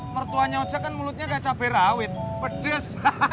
mertuanya ojek kan mulutnya kayak cabai rawit pedes